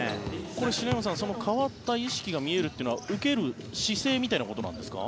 これ、篠山さん変わった意識が見えるというのは受ける姿勢みたいなことなんですか？